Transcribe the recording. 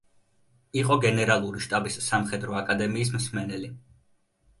იყო გენერალური შტაბის სამხედრო აკადემიის მსმენელი.